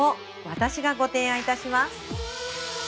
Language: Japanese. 私がご提案いたします